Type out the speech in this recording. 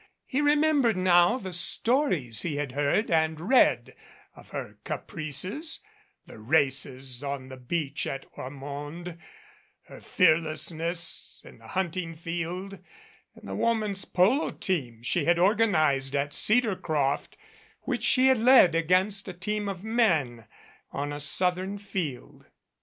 He remembered now the stories he had heard and read of her caprices, the races on the beach at Or monde, her fearlessness in the hunting field and the wom an's polo team she had organized at Cedarcroft which she had led against a team of men on a Southern field.